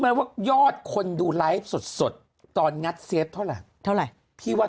ไหมว่ายอดคนดูไลฟ์สดตอนงัดเซฟเท่าไหร่เท่าไหร่พี่ว่า